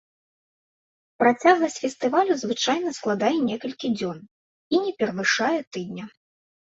Працягласць фестывалю звычайна складае некалькі дзён і не перавышае тыдня.